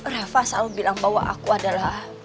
rafa selalu bilang bahwa aku adalah